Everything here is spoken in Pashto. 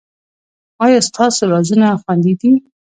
ایا ستاسو رازونه خوندي دي؟